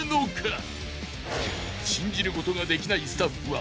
［信じることができないスタッフは］